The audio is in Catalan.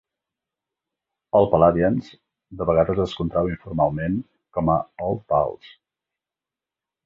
"Old Paludians" de vegades es contrau informalment com a "Old Pals".